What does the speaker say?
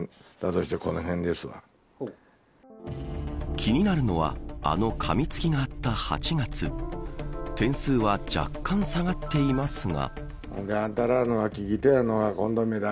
気になるのはあの、かみつきがあった８月点数は若干下がっていますが。